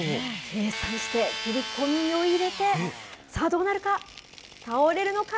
計算して切り込みを入れて、さあ、どうなるのか、倒れるのか？